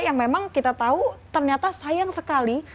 yang memang kita tahu ternyata sayang sekali